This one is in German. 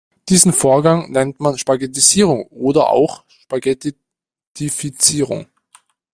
Diesen Vorgang nennt man Spaghettisierung oder auch Spaghettifizierung.